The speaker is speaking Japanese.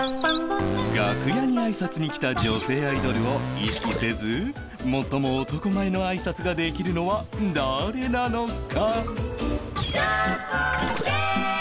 楽屋にあいさつに来た女性アイドルを意識せず最も男前のあいさつができるのは誰なのか？